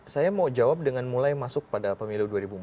saya mau jawab dengan mulai masuk pada pemilu dua ribu empat belas